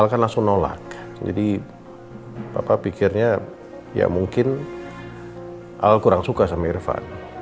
kan langsung nolak jadi papa pikirnya ya mungkin al kurang suka sama irfan